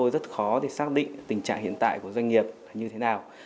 để xác định tình trạng hiện tại của doanh nghiệp như thế nào